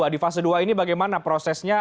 di fase dua ini bagaimana prosesnya